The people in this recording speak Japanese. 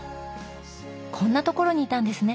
こんな所にいたんですね。